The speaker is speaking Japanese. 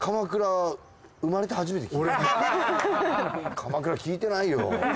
鎌倉聞いてないよ。